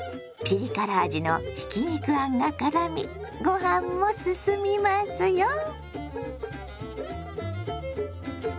ピリ辛味のひき肉あんがからみご飯もすすみますよ。